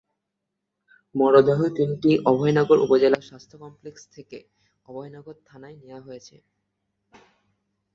মরদেহ তিনটি অভয়নগর উপজেলা স্বাস্থ্য কমপ্লেক্স থেকে অভয়নগর থানায় নেওয়া হয়েছে।